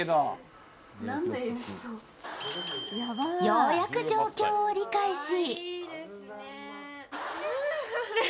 ようやく状況を理解し